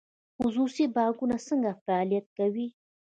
خصوصي بانکونه څنګه فعالیت کوي؟